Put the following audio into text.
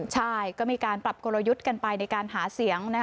ใช่ก็มีการปรับกลยุทธ์กันไปในการหาเสียง